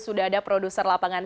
sudah ada produser lapangan